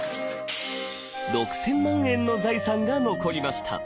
６，０００万円の財産が残りました。